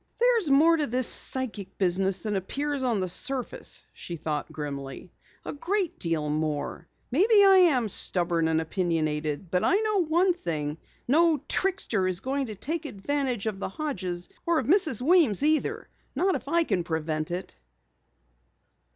"There's more to this psychic business than appears on the surface," she thought grimly. "A great deal more! Maybe I am stubborn and opinionated. But I know one thing! No trickster is going to take advantage of the Hodges or of Mrs. Weems either not if I can prevent it."